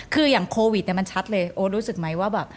คืออย่างโควิดมันชัดเลยโอ๊ตรู้สึกมั้ยว่าแบบ